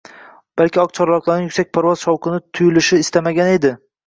balki oqcharloqlarning yuksak parvoz shavqini tuyushni istamagani edi.